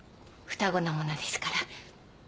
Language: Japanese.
双子なものですから。